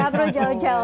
gak perlu jauh jauh